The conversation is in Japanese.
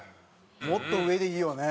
もっと上でいいよね。